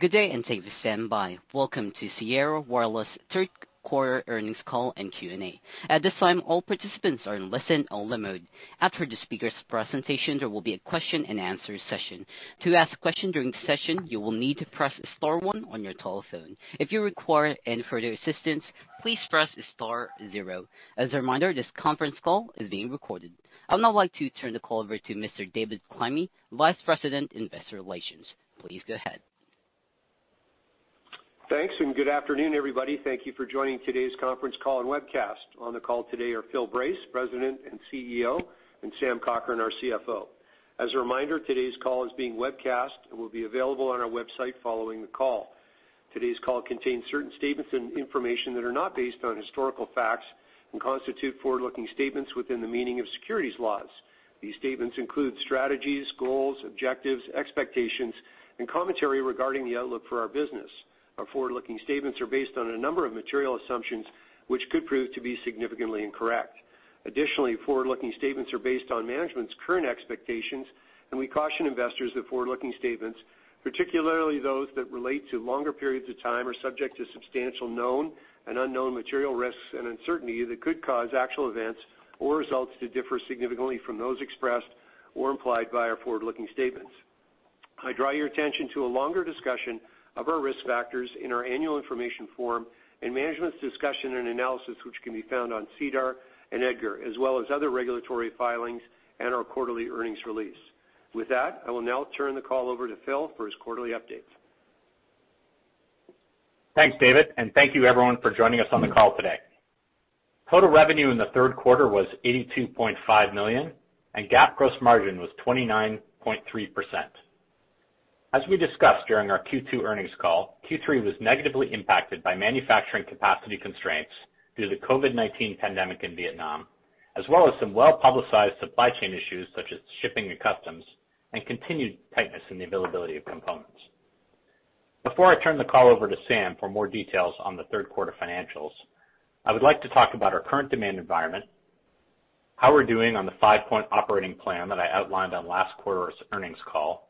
Good day, and thank you, stand by. Welcome to Sierra Wireless third quarter earnings call and Q&A. At this time, all participants are in listen-only mode. After the speaker's presentation, there will be a question-and-answer session. To ask a question during the session, you will need to press star one on your telephone. If you require any further assistance, please press star zero. As a reminder, this conference call is being recorded. I would now like to turn the call over to Mr. David Climie, Vice President, Investor Relations. Please go ahead. Thanks, and good afternoon, everybody. Thank you for joining today's conference call and webcast. On the call today are Phil Brace, President and CEO, and Sam Cochrane, our CFO. As a reminder, today's call is being webcast and will be available on our website following the call. Today's call contains certain statements and information that are not based on historical facts and constitute forward-looking statements within the meaning of securities laws. These statements include strategies, goals, objectives, expectations, and commentary regarding the outlook for our business. Our forward-looking statements are based on a number of material assumptions which could prove to be significantly incorrect. Additionally, forward-looking statements are based on management's current expectations, and we caution investors that forward-looking statements, particularly those that relate to longer periods of time, are subject to substantial known and unknown material risks and uncertainty that could cause actual events or results to differ significantly from those expressed or implied by our forward-looking statements. I draw your attention to a longer discussion of our risk factors in our annual information form and management's discussion and analysis, which can be found on SEDAR and EDGAR, as well as other regulatory filings and our quarterly earnings release. With that, I will now turn the call over to Phil for his quarterly update. Thanks, David, and thank you everyone for joining us on the call today. Total revenue in the third quarter was $82.5 million, and GAAP gross margin was 29.3%. As we discussed during our Q2 earnings call, Q3 was negatively impacted by manufacturing capacity constraints due to the COVID-19 pandemic in Vietnam, as well as some well-publicized supply chain issues such as shipping and customs and continued tightness in the availability of components. Before I turn the call over to Sam for more details on the third quarter financials, I would like to talk about our current demand environment, how we're doing on the five-point operating plan that I outlined on last quarter's earnings call,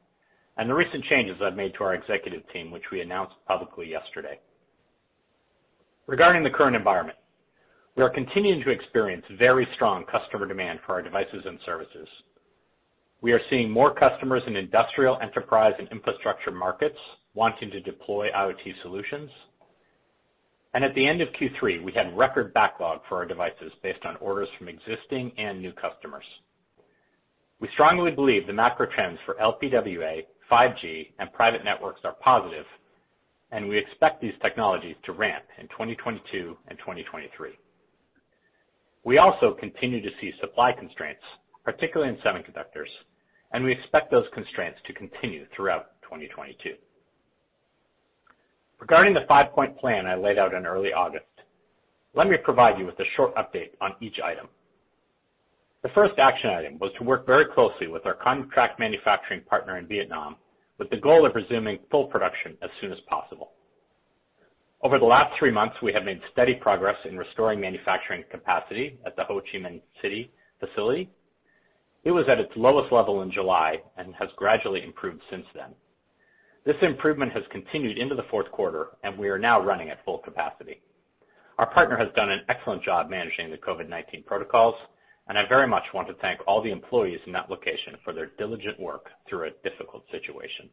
and the recent changes I've made to our executive team, which we announced publicly yesterday. Regarding the current environment, we are continuing to experience very strong customer demand for our devices and services. We are seeing more customers in industrial, enterprise, and infrastructure markets wanting to deploy IoT solutions. At the end of Q3, we had record backlog for our devices based on orders from existing and new customers. We strongly believe the macro trends for LPWA, 5G, and private networks are positive, and we expect these technologies to ramp in 2022 and 2023. We also continue to see supply constraints, particularly in semiconductors, and we expect those constraints to continue throughout 2022. Regarding the five-point plan I laid out in early August, let me provide you with a short update on each item. The first action item was to work very closely with our contract manufacturing partner in Vietnam with the goal of resuming full production as soon as possible. Over the last three months, we have made steady progress in restoring manufacturing capacity at the Ho Chi Minh City facility. It was at its lowest level in July and has gradually improved since then. This improvement has continued into the fourth quarter, and we are now running at full capacity. Our partner has done an excellent job managing the COVID-19 protocols, and I very much want to thank all the employees in that location for their diligent work through a difficult situation.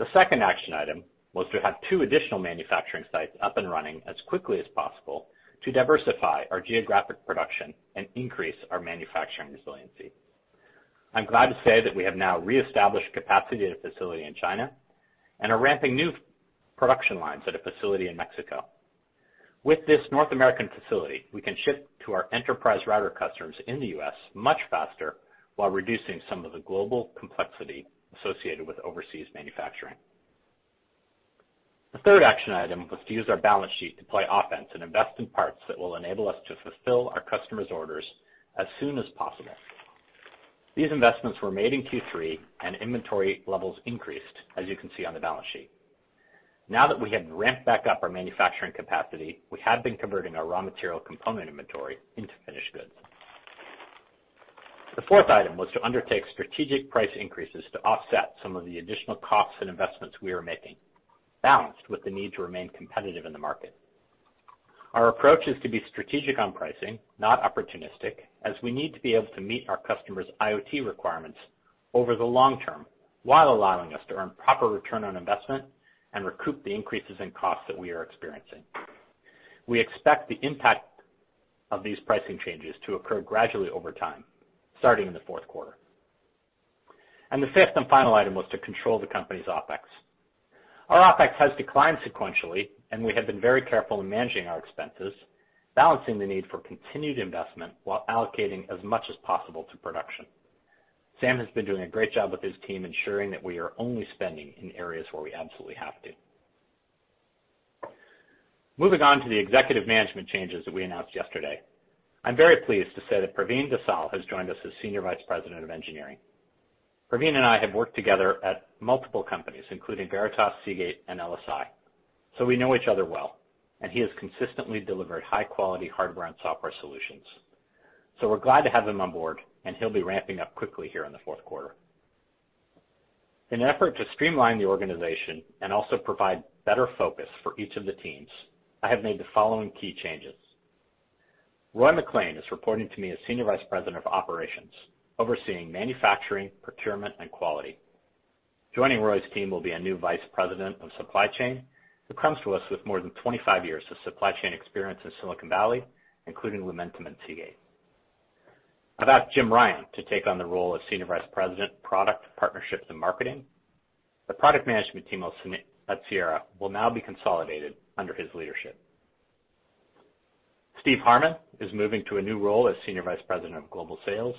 The second action item was to have two additional manufacturing sites up and running as quickly as possible to diversify our geographic production and increase our manufacturing resiliency. I'm glad to say that we have now reestablished capacity at a facility in China and are ramping new production lines at a facility in Mexico. With this North American facility, we can ship to our enterprise router customers in the U.S. much faster while reducing some of the global complexity associated with overseas manufacturing. The third action item was to use our balance sheet to play offense and invest in parts that will enable us to fulfill our customers' orders as soon as possible. These investments were made in Q3, and inventory levels increased, as you can see on the balance sheet. Now that we have ramped back up our manufacturing capacity, we have been converting our raw material component inventory into finished goods. The fourth item was to undertake strategic price increases to offset some of the additional costs and investments we are making, balanced with the need to remain competitive in the market. Our approach is to be strategic on pricing, not opportunistic, as we need to be able to meet our customers' IoT requirements over the long term while allowing us to earn proper return on investment and recoup the increases in costs that we are experiencing. We expect the impact of these pricing changes to occur gradually over time, starting in the fourth quarter. The fifth and final item was to control the company's OpEx. Our OpEx has declined sequentially, and we have been very careful in managing our expenses, balancing the need for continued investment while allocating as much as possible to production. Sam has been doing a great job with his team ensuring that we are only spending in areas where we absolutely have to. Moving on to the executive management changes that we announced yesterday. I'm very pleased to say that Pravin Desale has joined us as Senior Vice President of Engineering. Pravin and I have worked together at multiple companies, including Veritas, Seagate, and LSI, so we know each other well, and he has consistently delivered high-quality hardware and software solutions. We're glad to have him on board, and he'll be ramping up quickly here in the fourth quarter. In an effort to streamline the organization and also provide better focus for each of the teams, I have made the following key changes. Roy MacLean is reporting to me as Senior Vice President of Operations, overseeing manufacturing, procurement, and quality. Joining Roy's team will be a new Vice President of Supply Chain, who comes to us with more than 25 years of supply chain experience in Silicon Valley, including Lumentum and Cisco. I've asked Jim Ryan to take on the role of Senior Vice President, Product, Partnerships, and Marketing. The product management team of Sierra will now be consolidated under his leadership. Steve Harmon is moving to a new role as Senior Vice President of Global Sales.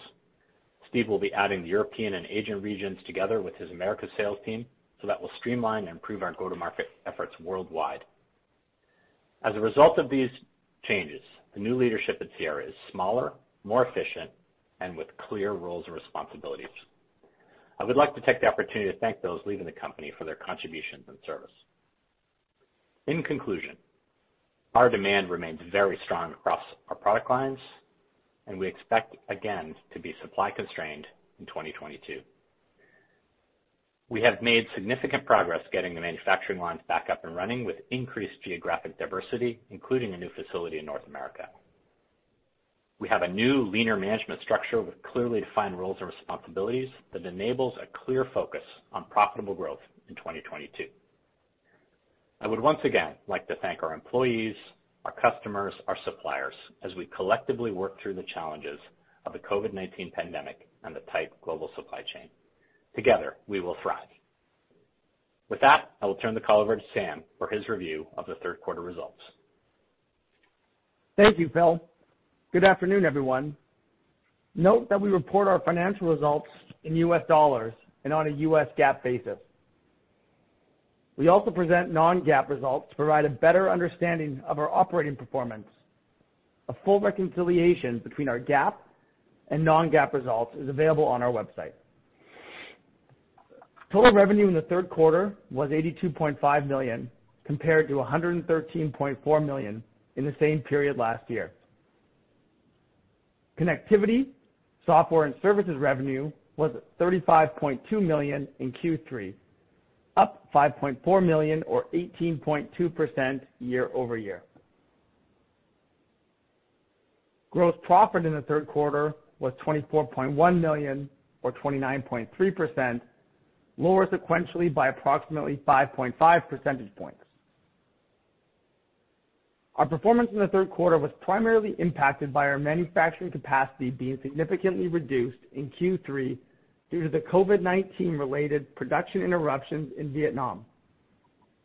Steve will be adding the European and Asian regions together with his America sales team, so that will streamline and improve our go-to-market efforts worldwide. As a result of these changes, the new leadership at Sierra is smaller, more efficient, and with clear roles and responsibilities. I would like to take the opportunity to thank those leaving the company for their contributions and service. In conclusion, our demand remains very strong across our product lines, and we expect again to be supply constrained in 2022. We have made significant progress getting the manufacturing lines back up and running with increased geographic diversity, including a new facility in North America. We have a new leaner management structure with clearly defined roles and responsibilities that enables a clear focus on profitable growth in 2022. I would once again like to thank our employees, our customers, our suppliers as we collectively work through the challenges of the COVID-19 pandemic and the tight global supply chain. Together, we will thrive. With that, I will turn the call over to Sam for his review of the third quarter results. Thank you, Phil. Good afternoon, everyone. Note that we report our financial results in US dollars and on a US GAAP basis. We also present non-GAAP results to provide a better understanding of our operating performance. A full reconciliation between our GAAP and non-GAAP results is available on our website. Total revenue in the third quarter was $82.5 million, compared to $113.4 million in the same period last year. Connectivity, software, and services revenue was $35.2 million in Q3, up $5.4 million or 18.2% year-over-year. Gross profit in the third quarter was $24.1 million or 29.3%, lower sequentially by approximately 5.5 percentage points. Our performance in the third quarter was primarily impacted by our manufacturing capacity being significantly reduced in Q3 due to the COVID-19 related production interruptions in Vietnam.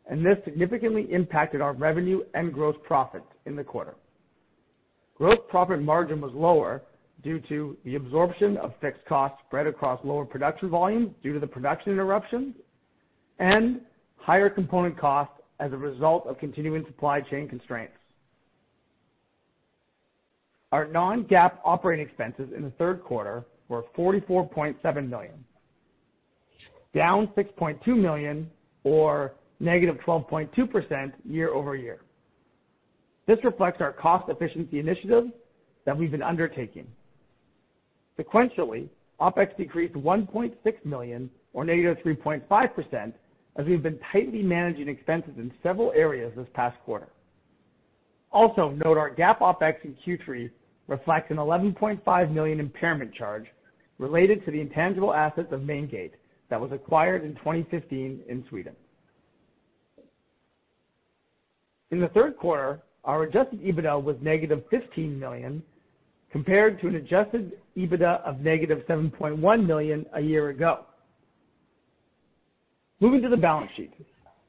This significantly impacted our revenue and gross profit in the quarter. Gross profit margin was lower due to the absorption of fixed costs spread across lower production volume due to the production interruptions and higher component costs as a result of continuing supply chain constraints. Our non-GAAP operating expenses in the third quarter were $44.7 million, down $6.2 million or -12.2% year-over-year. This reflects our cost efficiency initiatives that we've been undertaking. Sequentially, OpEx decreased $1.6 million or -3.5%, as we've been tightly managing expenses in several areas this past quarter. Also, note our GAAP OpEx in Q3 reflects an $11.5 million impairment charge related to the intangible assets of Maingate that was acquired in 2015 in Sweden. In the third quarter, our adjusted EBITDA was -$15 million, compared to an adjusted EBITDA of -$7.1 million a year ago. Moving to the balance sheet.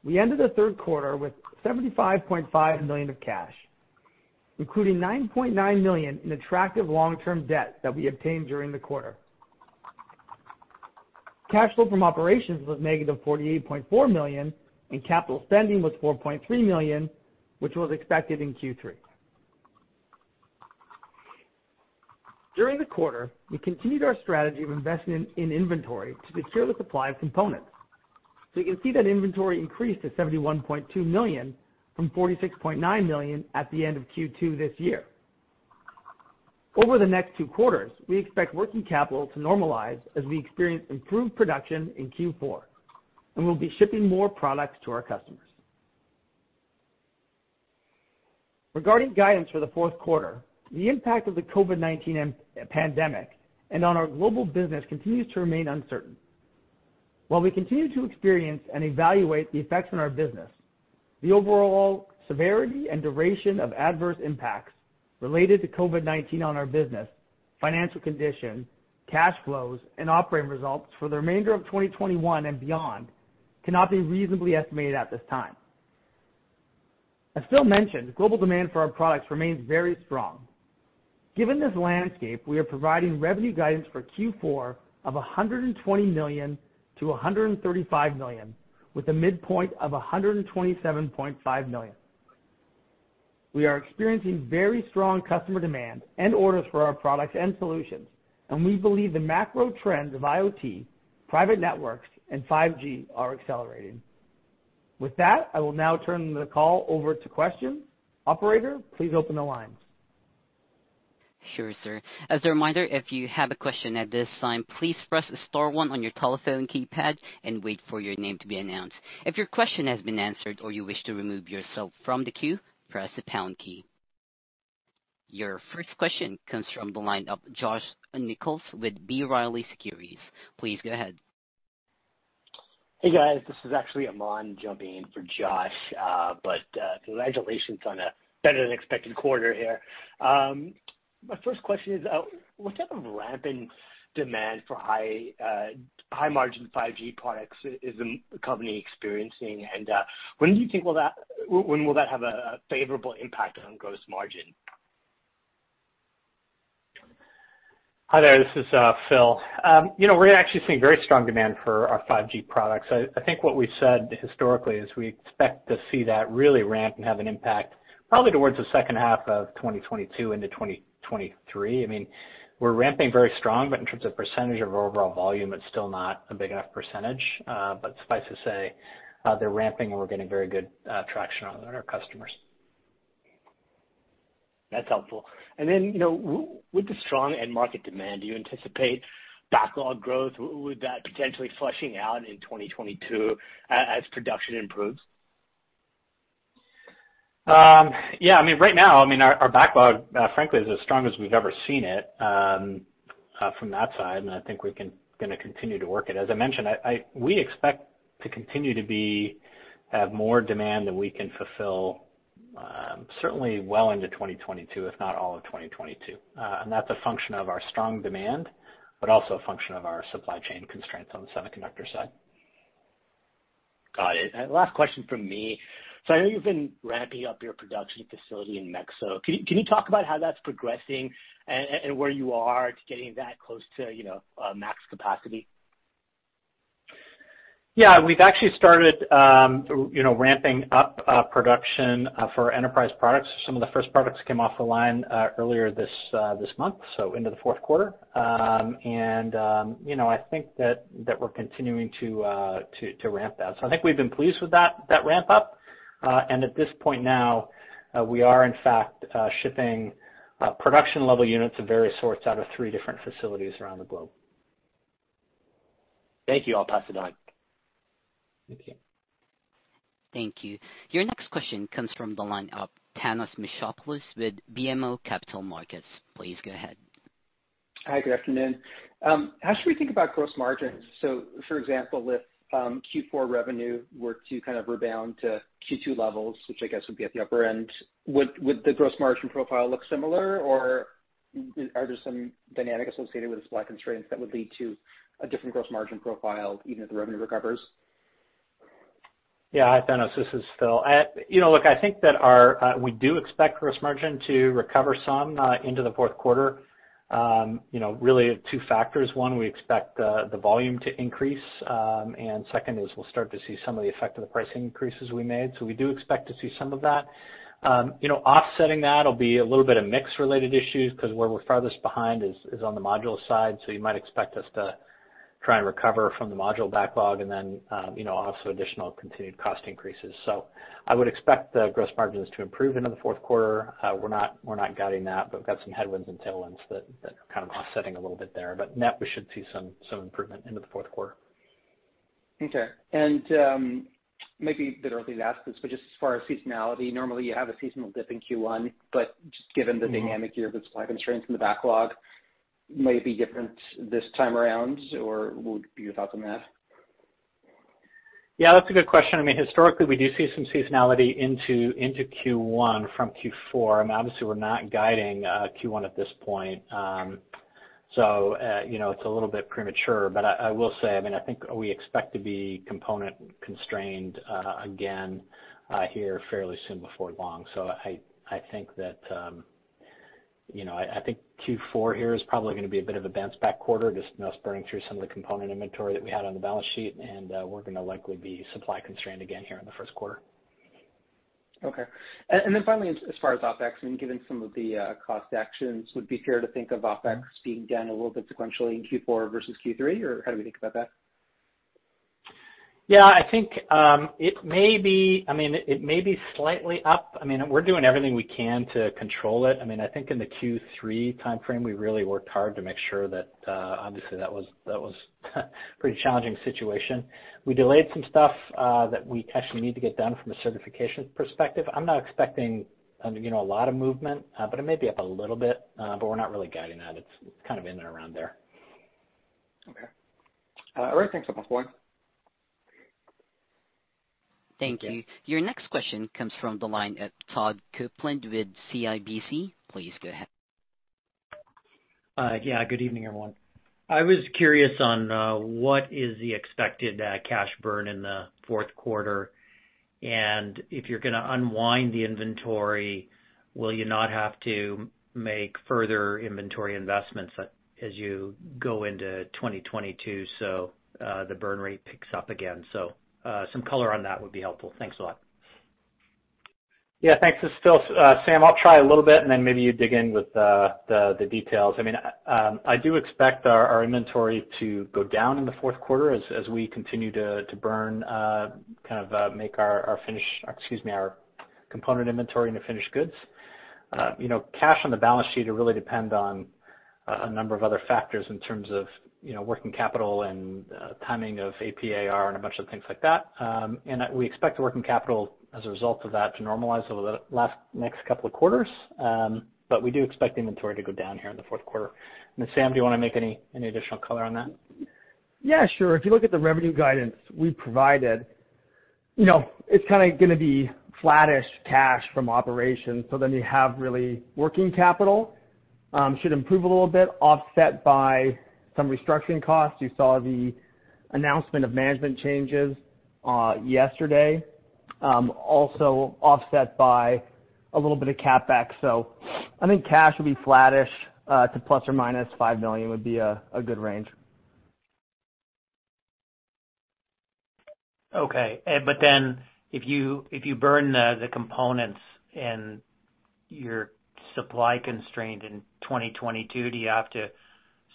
We ended the third quarter with $75.5 million of cash, including $9.9 million in attractive long-term debt that we obtained during the quarter. Cash flow from operations was -$48.4 million, and capital spending was $4.3 million, which was expected in Q3. During the quarter, we continued our strategy of investing in inventory to secure the supply of components. You can see that inventory increased to $71.2 million from $46.9 million at the end of Q2 this year. Over the next two quarters, we expect working capital to normalize as we experience improved production in Q4, and we'll be shipping more products to our customers. Regarding guidance for the fourth quarter, the impact of the COVID-19 pandemic on our global business continues to remain uncertain. While we continue to experience and evaluate the effects on our business, the overall severity and duration of adverse impacts related to COVID-19 on our business, financial condition, cash flows, and operating results for the remainder of 2021 and beyond cannot be reasonably estimated at this time. As Phil mentioned, global demand for our products remains very strong. Given this landscape, we are providing revenue guidance for Q4 of $120 million-$135 million, with a midpoint of $127.5 million. We are experiencing very strong customer demand and orders for our products and solutions, and we believe the macro trends of IoT, private networks, and 5G are accelerating. With that, I will now turn the call over to questions. Operator, please open the lines. Your first question comes from the line of Josh Nichols with B. Riley Securities. Please go ahead. Hey, guys. This is actually Aman jumping in for Josh. Congratulations on a better-than-expected quarter here. My first question is, what type of rampant demand for high-margin 5G products is the company experiencing? When do you think that will have a favorable impact on gross margin? Hi there. This is Phil. You know, we're actually seeing very strong demand for our 5G products. I think what we've said historically is we expect to see that really ramp and have an impact probably towards the second half of 2022 into 2023. I mean, we're ramping very strong, but in terms of percentage of overall volume, it's still not a big enough percentage. Suffice to say, they're ramping, and we're getting very good traction on our customers. That's helpful. You know, with the strong end market demand, do you anticipate backlog growth? Would that potentially flushing out in 2022 as production improves? Yeah. I mean, right now, I mean, our backlog frankly is as strong as we've ever seen it from that side, and I think we're gonna continue to work it. As I mentioned, we expect to continue to have more demand than we can fulfill, certainly well into 2022, if not all of 2022. That's a function of our strong demand but also a function of our supply chain constraints on the semiconductor side. Got it. Last question from me. I know you've been ramping up your production facility in Mexico. Can you talk about how that's progressing and where you are to getting that close to, you know, max capacity? Yeah. We've actually started, you know, ramping up production for enterprise products. Some of the first products came off the line earlier this month, so into the fourth quarter. You know, I think that we're continuing to ramp that. So I think we've been pleased with that ramp-up. At this point now, we are in fact shipping production level units of various sorts out of three different facilities around the globe. Thank you. I'll pass it on. Thank you. Thank you. Your next question comes from the line of Thanos Moschopoulos with BMO Capital Markets. Please go ahead. Hi, good afternoon. How should we think about gross margins? For example, if Q4 revenue were to kind of rebound to Q2 levels, which I guess would be at the upper end, would the gross margin profile look similar, or are there some dynamics associated with the supply constraints that would lead to a different gross margin profile even if the revenue recovers? Yeah. Hi, Thanos, this is Phil. You know, look, I think that we do expect gross margin to recover some into the fourth quarter. You know, really two factors. One, we expect the volume to increase. And second is we'll start to see some of the effect of the pricing increases we made. So we do expect to see some of that. You know, offsetting that'll be a little bit of mix related issues 'cause where we're farthest behind is on the module side. So you might expect us to try and recover from the module backlog and then you know also additional continued cost increases. So I would expect the gross margins to improve into the fourth quarter. We're not guiding that, but we've got some headwinds and tailwinds that are kind of offsetting a little bit there. Net, we should see some improvement into the fourth quarter. Okay. Maybe better late to ask this, but just as far as seasonality, normally you have a seasonal dip in Q1, but just given the dynamic here with supply constraints and the backlog, might it be different this time around, or what would be your thoughts on that? Yeah, that's a good question. I mean, historically, we do see some seasonality into Q1 from Q4. I mean, obviously, we're not guiding Q1 at this point. So, you know, it's a little bit premature. But I will say, I mean, I think we expect to be component constrained again here fairly soon before long. So I think that, you know, I think Q4 here is probably gonna be a bit of a bounce back quarter, just us burning through some of the component inventory that we had on the balance sheet, and we're gonna likely be supply constrained again here in the first quarter. Okay. Finally as far as OpEx, I mean, given some of the cost actions, would be fair to think of OpEx being down a little bit sequentially in Q4 versus Q3, or how do we think about that? Yeah. I think it may be slightly up. I mean, we're doing everything we can to control it. I mean, I think in the Q3 timeframe, we really worked hard to make sure that obviously that was a pretty challenging situation. We delayed some stuff that we actually need to get done from a certification perspective. I'm not expecting you know, a lot of movement, but it may be up a little bit, but we're not really guiding that. It's kind of in and around there. Okay. All right, thanks so much. Bye. Thank you. Your next question comes from the line of Todd Coupland with CIBC. Please go ahead. Good evening, everyone. I was curious on what is the expected cash burn in the fourth quarter. If you're gonna unwind the inventory, will you not have to make further inventory investments as you go into 2022, so the burn rate picks up again? Some color on that would be helpful. Thanks a lot. Yeah. Thanks. This is Phil. Sam, I'll try a little bit, and then maybe you dig in with the details. I mean, I do expect our inventory to go down in the fourth quarter as we continue to burn kind of make our component inventory into finished goods. You know, cash on the balance sheet will really depend on a number of other factors in terms of, you know, working capital and timing of AP/AR and a bunch of things like that. We expect the working capital as a result of that to normalize over the next couple of quarters. We do expect inventory to go down here in the fourth quarter. Sam, do you wanna make any additional color on that? Yeah, sure. If you look at the revenue guidance we provided, you know, it's kinda gonna be flattish cash from operations. You have really working capital should improve a little bit, offset by some restructuring costs. You saw the announcement of management changes yesterday, also offset by a little bit of CapEx. I think cash will be flattish to ±$5 million would be a good range. Okay. If you burn the components and you're supply constrained in 2022, do you have to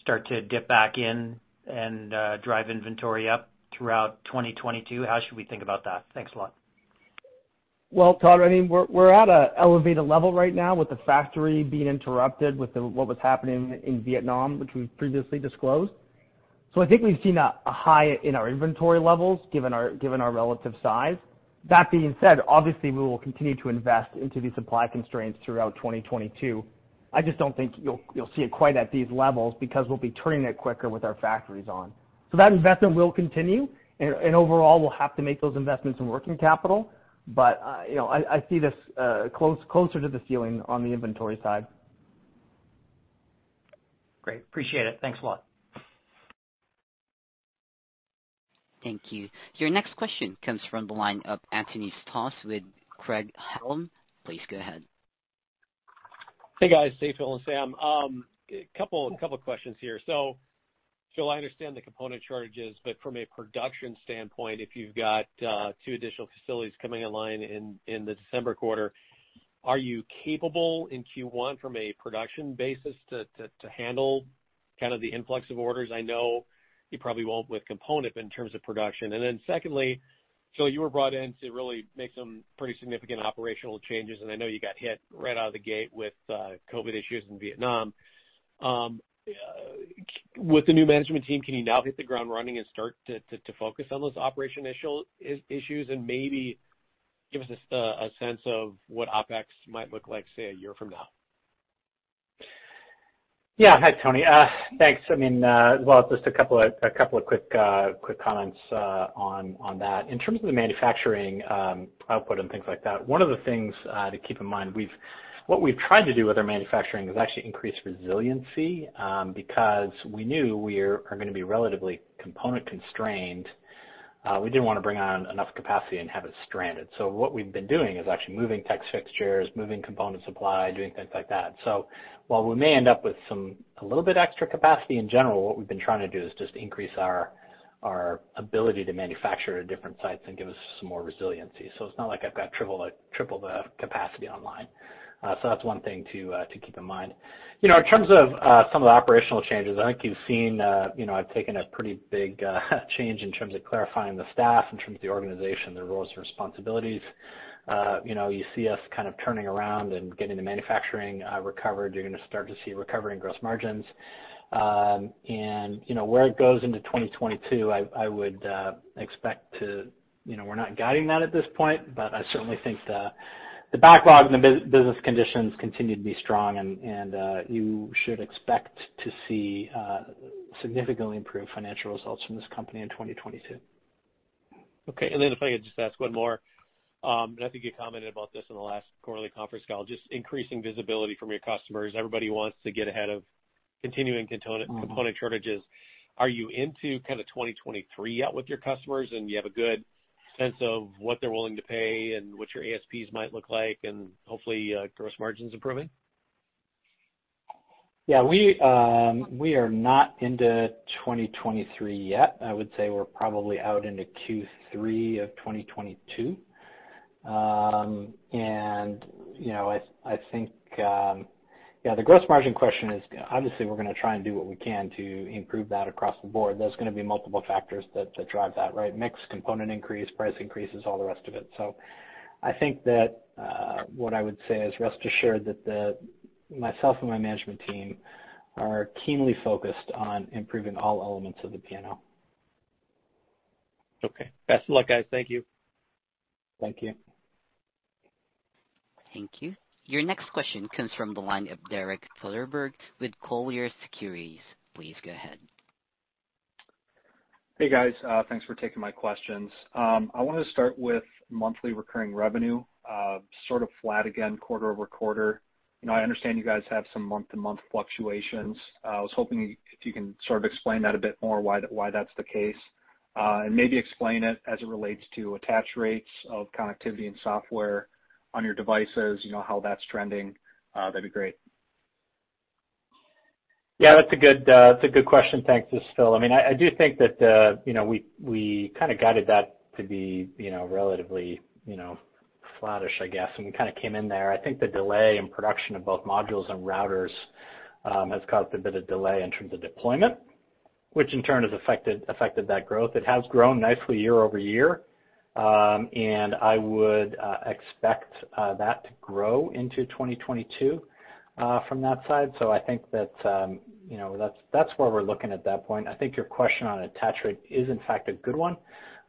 start to dip back in and drive inventory up throughout 2022? How should we think about that? Thanks a lot. Well, Todd, I mean, we're at an elevated level right now with the factory being interrupted with what was happening in Vietnam, which we've previously disclosed. I think we've seen a high in our inventory levels given our relative size. That being said, obviously we will continue to invest into the supply constraints throughout 2022. I just don't think you'll see it quite at these levels because we'll be turning it quicker with our factories on. That investment will continue and overall, we'll have to make those investments in working capital. You know, I see this closer to the ceiling on the inventory side. Great. Appreciate it. Thanks a lot. Thank you. Your next question comes from the line of Anthony Stoss with Craig-Hallum. Please go ahead. Hey, guys. Hey, Phil and Sam. A couple questions here. Phil, I understand the component shortages, but from a production standpoint, if you've got two additional facilities coming online in the December quarter, are you capable in Q1 from a production basis to handle kind of the influx of orders? I know you probably won't with component in terms of production. Secondly, Phil, you were brought in to really make some pretty significant operational changes, and I know you got hit right out of the gate with COVID issues in Vietnam. With the new management team, can you now hit the ground running and start to focus on those operational issues and maybe give us a sense of what OpEx might look like, say, a year from now? Yeah. Hi, Tony. Thanks. I mean, well, just a couple of quick comments on that. In terms of the manufacturing output and things like that, one of the things to keep in mind, what we've tried to do with our manufacturing is actually increase resiliency, because we knew we are gonna be relatively component constrained. We didn't wanna bring on enough capacity and have it stranded. What we've been doing is actually moving test fixtures, moving component supply, doing things like that. While we may end up with a little bit extra capacity in general, what we've been trying to do is just increase our ability to manufacture at different sites and give us some more resiliency. It's not like I've got triple the capacity online. That's one thing to keep in mind. You know, in terms of some of the operational changes, I think you've seen, you know, I've taken a pretty big change in terms of clarifying the staff, in terms of the organization, their roles and responsibilities. You know, you see us kind of turning around and getting the manufacturing recovered. You're gonna start to see recovery in gross margins. You know, where it goes into 2022, I would expect. You know, we're not guiding that at this point, but I certainly think the backlog and the business conditions continue to be strong and you should expect to see significantly improved financial results from this company in 2022. Okay. If I could just ask one more, and I think you commented about this in the last quarterly conference call, just increasing visibility from your customers. Everybody wants to get ahead of continuing-... component shortages. Are you into kind of 2023 yet with your customers, and you have a good sense of what they're willing to pay and what your ASPs might look like and hopefully, gross margins improving? Yeah. We are not into 2023 yet. I would say we're probably out into Q3 of 2022. You know, I think, yeah, the gross margin question is, obviously, we're gonna try and do what we can to improve that across the board. There's gonna be multiple factors that drive that, right? Mix, component increase, price increases, all the rest of it. I think that what I would say is rest assured that, myself and my management team are keenly focused on improving all elements of the P&L. Okay. Best of luck, guys. Thank you. Thank you. Thank you. Your next question comes from the line of Derek Soder with Colliers Securities. Please go ahead. Hey, guys. Thanks for taking my questions. I wanted to start with monthly recurring revenue, sort of flat again quarter over quarter. You know, I understand you guys have some month-to-month fluctuations. I was hoping if you can sort of explain that a bit more, why that's the case. Maybe explain it as it relates to attach rates of connectivity and software on your devices, you know, how that's trending, that'd be great. That's a good question. Thanks, this is Phil. I mean, I do think that you know, we kinda guided that to be you know, relatively you know, flattish, I guess, and we kinda came in there. I think the delay in production of both modules and routers has caused a bit of delay in terms of deployment, which in turn has affected that growth. It has grown nicely year-over-year. I would expect that to grow into 2022 from that side. I think that you know, that's where we're looking at that point. I think your question on attach rate is in fact a good one.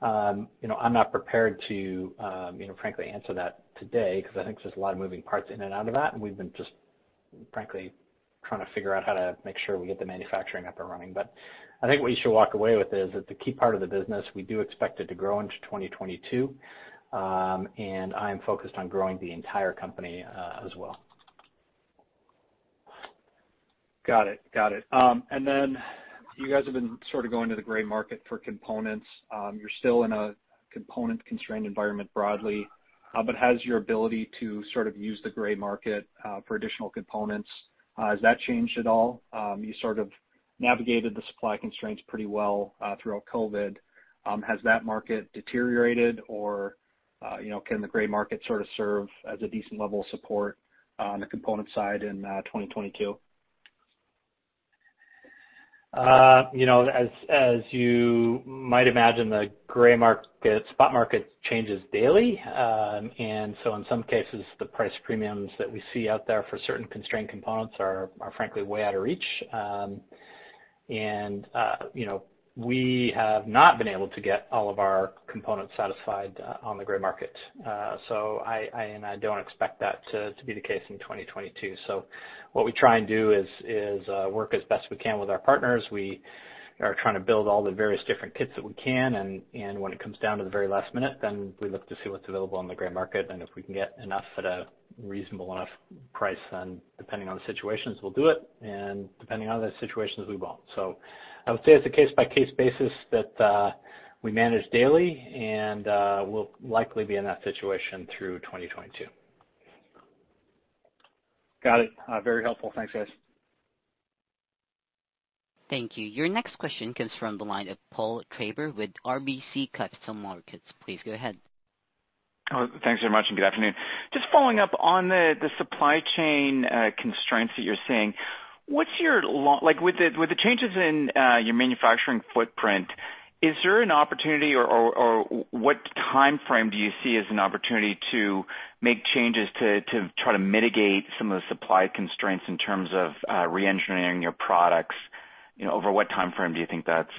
You know, I'm not prepared to, you know, frankly answer that today 'cause I think there's a lot of moving parts in and out of that, and we've been just, frankly, trying to figure out how to make sure we get the manufacturing up and running. I think what you should walk away with is that the key part of the business, we do expect it to grow into 2022. I am focused on growing the entire company, as well. Got it. You guys have been sort of going to the gray market for components. You're still in a component-constrained environment broadly. Has your ability to sort of use the gray market for additional components changed at all? You sort of navigated the supply constraints pretty well throughout COVID. Has that market deteriorated or, you know, can the gray market sort of serve as a decent level of support on the component side in 2022? You know, as you might imagine, the gray market, spot market changes daily. In some cases the price premiums that we see out there for certain constrained components are frankly way out of reach. You know, we have not been able to get all of our components satisfied on the gray market. I don't expect that to be the case in 2022. What we try and do is work as best we can with our partners. We are trying to build all the various different kits that we can and when it comes down to the very last minute, then we look to see what's available on the gray market and if we can get enough at a reasonable enough price, then depending on the situations we'll do it, and depending on the situations we won't. I would say it's a case-by-case basis that we manage daily and we'll likely be in that situation through 2022. Got it. Very helpful. Thanks, guys. Thank you. Your next question comes from the line of Paul Treiber with RBC Capital Markets. Please go ahead. Oh, thanks very much and good afternoon. Just following up on the supply chain constraints that you're seeing, what's your like with the changes in your manufacturing footprint, is there an opportunity or what timeframe do you see as an opportunity to make changes to try to mitigate some of the supply constraints in terms of re-engineering your products? You know, over what timeframe do you think that's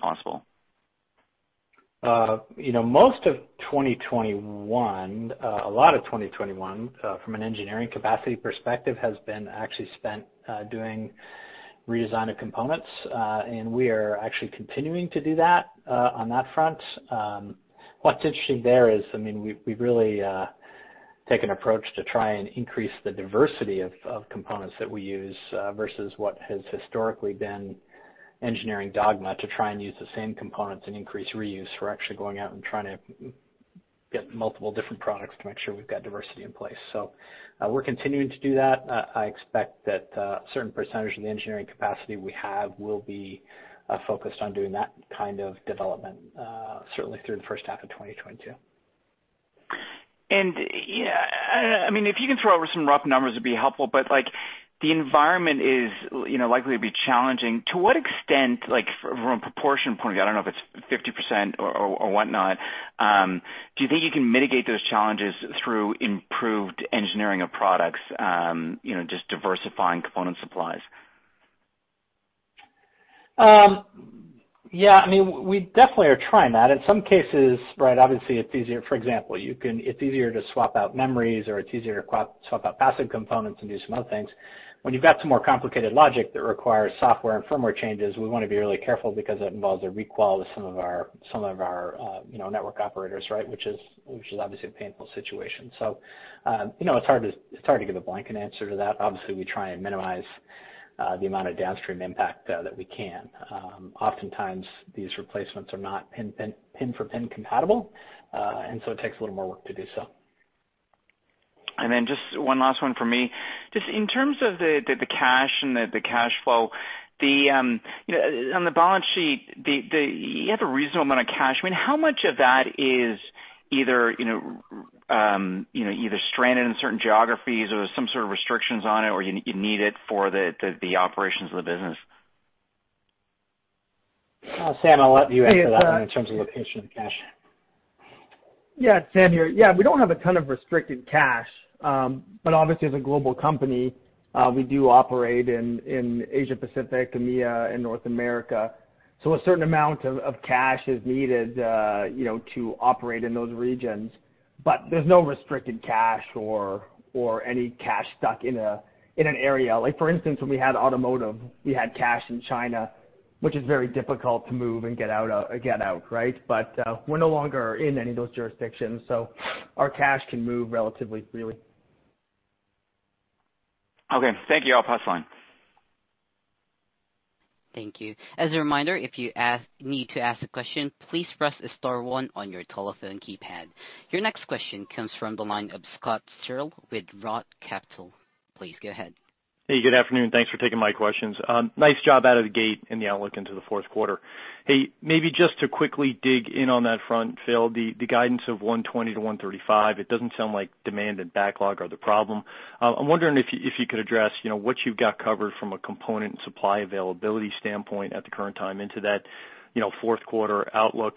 possible? You know, most of 2021, a lot of 2021, from an engineering capacity perspective, has been actually spent doing redesign of components. We are actually continuing to do that on that front. What's interesting there is, I mean, we've really taken an approach to try and increase the diversity of components that we use versus what has historically been engineering dogma to try and use the same components and increase reuse. We're actually going out and trying to get multiple different products to make sure we've got diversity in place. We're continuing to do that. I expect that a certain percentage of the engineering capacity we have will be focused on doing that kind of development, certainly through the first half of 2022. Yeah, I mean, if you can throw over some rough numbers it'd be helpful, but like the environment is, you know, likely to be challenging. To what extent, like from a proportion point of view, I don't know if it's 50% or whatnot, do you think you can mitigate those challenges through improved engineering of products, you know, just diversifying component supplies? Yeah, I mean, we definitely are trying that. In some cases, right, obviously it's easier. For example, it's easier to swap out memories or it's easier to swap out passive components and do some other things. When you've got some more complicated logic that requires software and firmware changes, we wanna be really careful because it involves a requal with some of our, you know, network operators, right? Which is obviously a painful situation. You know, it's hard to give a blanket answer to that. Obviously, we try and minimize the amount of downstream impact that we can. Oftentimes these replacements are not pin for pin compatible. It takes a little more work to do so. Just one last one from me. Just in terms of the cash and the cash flow, you know, on the balance sheet, you have a reasonable amount of cash. I mean, how much of that is either, you know, either stranded in certain geographies or there's some sort of restrictions on it or you need it for the operations of the business? Sam, I'll let you answer that one in terms of location of the cash. Yeah, it's Sam here. Yeah, we don't have a ton of restricted cash. But obviously as a global company, we do operate in Asia Pacific, EMEA and North America. So a certain amount of cash is needed, you know, to operate in those regions. But there's no restricted cash or any cash stuck in an area. Like for instance, when we had automotive, we had cash in China, which is very difficult to move and get out, right? But we're no longer in any of those jurisdictions, so our cash can move relatively freely. Okay. Thank you. I'll pass the line. Your next question comes from the line of Scott Searle with Roth Capital. Please go ahead. Hey, good afternoon. Thanks for taking my questions. Nice job out of the gate in the outlook into the fourth quarter. Hey, maybe just to quickly dig in on that front, Phil, the guidance of $120-$135, it doesn't sound like demand and backlog are the problem. I'm wondering if you could address, you know, what you've got covered from a component and supply availability standpoint at the current time into that, you know, fourth quarter outlook.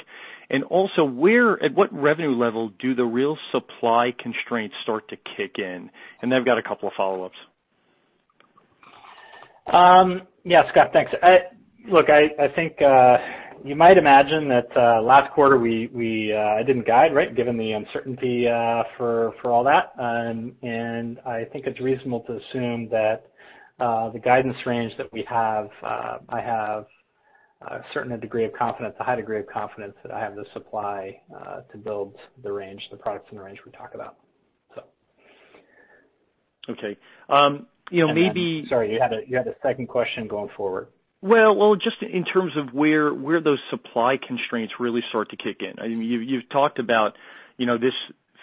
At what revenue level do the real supply constraints start to kick in? I've got a couple of follow-ups. Yeah, Scott. Thanks. Look, I think you might imagine that last quarter we didn't guide, right, given the uncertainty for all that. I think it's reasonable to assume that the guidance range that we have. I have a certain degree of confidence, a high degree of confidence that I have the supply to build the products in the range we talk about, so. Okay. You know, maybe Sorry, you had a second question going forward. Well, just in terms of where those supply constraints really start to kick in. I mean, you've talked about, you know, this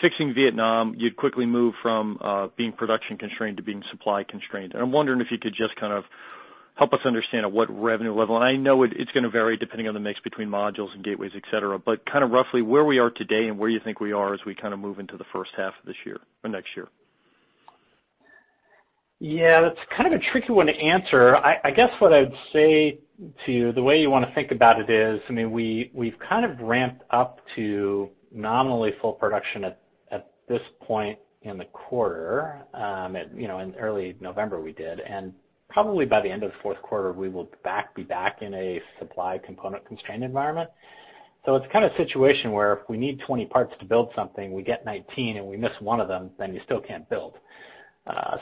fixing Vietnam, you'd quickly move from being production constrained to being supply constrained. I'm wondering if you could just kind of help us understand at what revenue level. I know it's gonna vary depending on the mix between modules and gateways, et cetera, but kind of roughly where we are today and where you think we are as we kind of move into the first half of this year or next year? Yeah, that's kind of a tricky one to answer. I guess what I'd say to you, the way you wanna think about it is, I mean, we've kind of ramped up to nominally full production at this point in the quarter, you know, in early November, we did. Probably by the end of the fourth quarter, we will be back in a supply component constrained environment. So it's kind of a situation where if we need 20 parts to build something, we get 19 and we miss one of them, then you still can't build.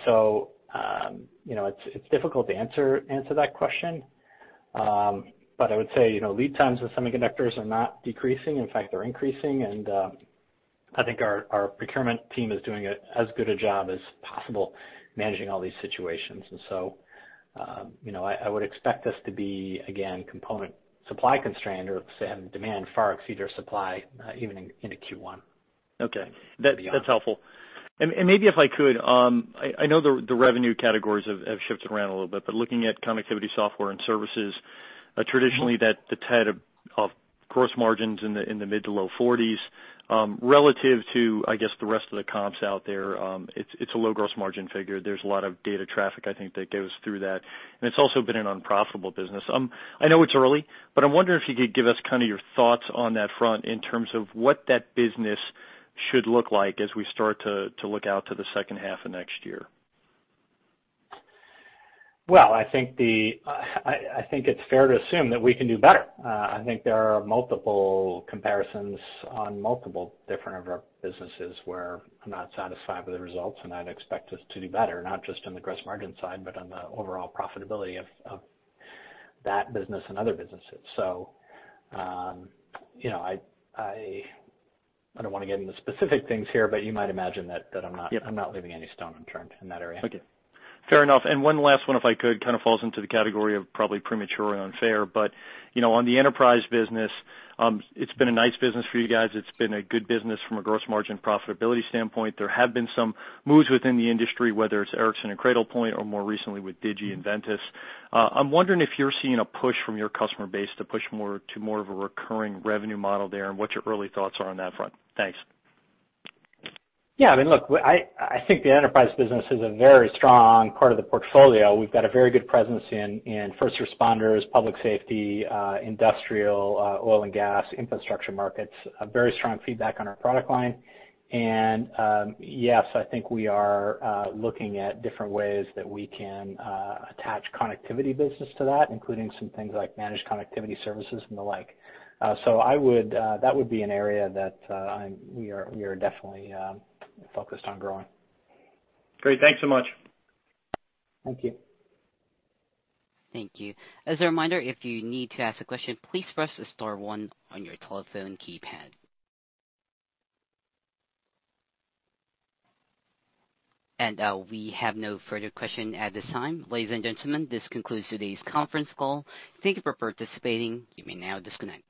So, you know, it's difficult to answer that question. But I would say, you know, lead times with semiconductors are not decreasing. In fact, they're increasing. I think our procurement team is doing as good a job as possible managing all these situations. You know, I would expect us to be, again, component supply constrained or say demand far exceed our supply, even into Q1. Okay. Yeah. That, that's helpful. Maybe if I could, I know the revenue categories have shifted around a little bit, but looking at connectivity software and services- Traditionally that's had gross margins in the mid- to low-40s%. Relative to, I guess, the rest of the comps out there, it's a low gross margin figure. There's a lot of data traffic, I think, that goes through that, and it's also been an unprofitable business. I know it's early, but I'm wondering if you could give us kind of your thoughts on that front in terms of what that business should look like as we start to look out to the second half of next year. Well, I think it's fair to assume that we can do better. I think there are multiple comparisons on multiple different of our businesses where I'm not satisfied with the results, and I'd expect us to do better, not just on the gross margin side, but on the overall profitability of that business and other businesses. You know, I don't wanna get into specific things here, but you might imagine that I'm not- Yep. I'm not leaving any stone unturned in that area. Okay. Fair enough. One last one, if I could, kind of falls into the category of probably premature or unfair. You know, on the enterprise business, it's been a nice business for you guys. It's been a good business from a gross margin profitability standpoint. There have been some moves within the industry, whether it's Ericsson and Cradlepoint or more recently with Digi and Ventus. I'm wondering if you're seeing a push from your customer base to push more to a recurring revenue model there, and what's your early thoughts are on that front? Thanks. Yeah, I mean, look, I think the enterprise business is a very strong part of the portfolio. We've got a very good presence in first responders, public safety, industrial, oil and gas, infrastructure markets, a very strong feedback on our product line. Yes, I think we are looking at different ways that we can attach connectivity business to that, including some things like managed connectivity services and the like. That would be an area that we are definitely focused on growing. Great. Thanks so much. Thank you. We have no further question at this time. Ladies and gentlemen, this concludes today's conference call. Thank you for participating. You may now disconnect.